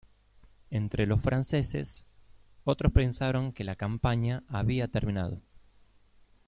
Entre los franceses, otros pensaron que la campaña había terminado.